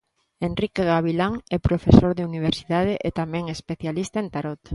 Enrique Gavilán é profesor de Universidade e tamén especialista en tarot.